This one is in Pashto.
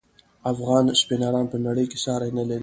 افغان سپینران په نړۍ کې ساری نلري.